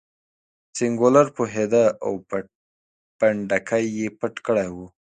سینکلر پوهېده او پنډکی یې پټ کړی و.